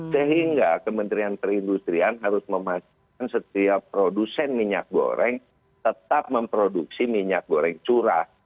sehingga kementerian perindustrian harus memastikan setiap produsen minyak goreng tetap memproduksi minyak goreng curah